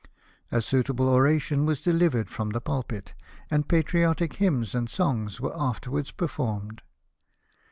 A suitable oration was delivered from the pulpit, and patriotic hymns and songs were afterwards performed.